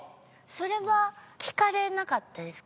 それは聞かれなかったですか？